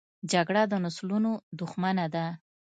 جګړه د نسلونو دښمنه ده